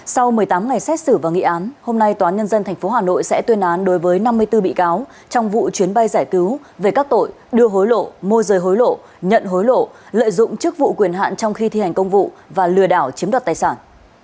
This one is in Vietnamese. sau một mươi tám ngày xét xử và nghị án hôm nay tòa án nhân dân tp hà nội sẽ tuyên án đối với năm mươi bốn bị cáo trong vụ chuyến bay giải cứu về các tội đưa hối lộ môi rời hối lộ nhận hối lộ lợi dụng chức vụ quyền hạn trong khi thi hành công vụ và lừa đảo chiếm đoạt tài sản